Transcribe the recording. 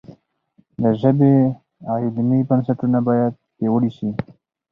د ژبې علمي بنسټونه باید پیاوړي شي.